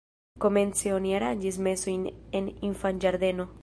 Komence oni aranĝis mesojn en infanĝardeno.